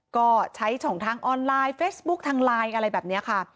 ก็ใช้ช่องทางออนไลน์เฟซบุ๊คทางไลน์อะไรแบบนี้ค่ะ